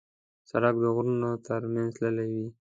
سړک د غرونو تر منځ تللی وي.